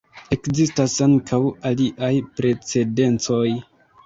Ekzistas ankaŭ aliaj precedencoj.